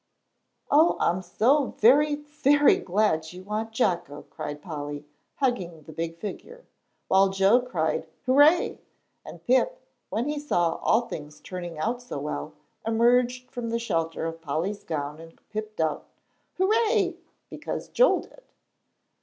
"Oh, I'm so very, very glad you want Jocko!" cried Polly, hugging the big figure. While Joel cried "Hooray!" And Pip, when he saw all things turning out so well, emerged from the shelter of Polly's gown and piped out "Hooray," because Joel did.